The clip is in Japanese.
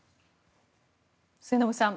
末延さん